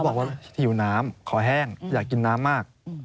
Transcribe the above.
บอกว่าหิวน้ำขอแห้งอยากกินน้ำมาก